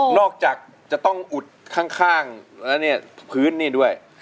จากจะต้องอุดข้างแล้วเนี่ยพื้นนี่ด้วย